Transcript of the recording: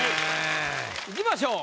いきましょう。